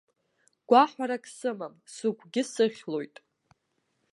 Гәаҳәарак сымам, сыгәгьы сыхьлоит.